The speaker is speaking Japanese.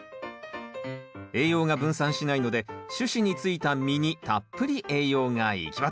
栄養が分散しないので主枝についた実にたっぷり栄養が行き渡ります